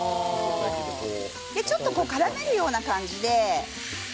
ちょっとからめるような感じで。